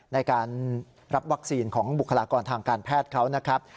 ในการรับวัคซีนของบุคลากรทางการแพทย์เขานะครับ